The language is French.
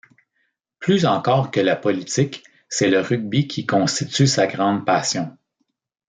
Plus encore que la politique, c'est le rugby qui constitue sa grande passion.